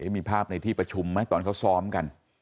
มีภาพในที่ประชุมไหมตอนเขาซ้อมกัน